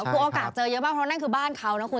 คือโอกาสเจอเยอะมากเพราะนั่นคือบ้านเขานะคุณ